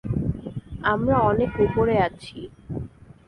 আমরা অনেক উপরে আছি।